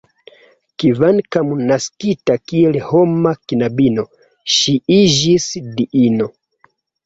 Kvankam naskita kiel homa knabino, ŝi iĝis diino.